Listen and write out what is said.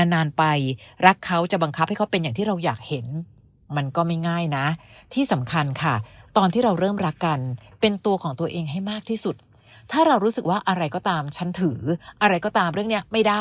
นานไปรักเขาจะบังคับให้เขาเป็นอย่างที่เราอยากเห็น